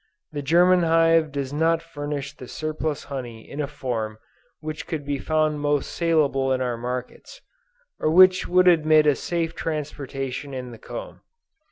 The German hive does not furnish the surplus honey in a form which would be found most salable in our markets, or which would admit of safe transportation in the comb.